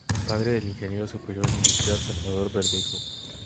Padre del Ingeniero Superior Industrial Salvador Verdejo Izquierdo.